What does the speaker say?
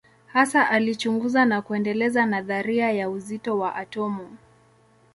Hasa alichunguza na kuendeleza nadharia ya uzito wa atomu.